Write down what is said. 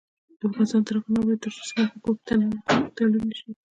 افغانستان تر هغو نه ابادیږي، ترڅو سمنټ په کور دننه تولید نشي.